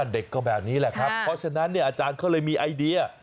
เด็กก็แบบนี้แหละครับเพราะฉะนั้นเนี่ยอาจารย์เขาเลยมีไอเดีย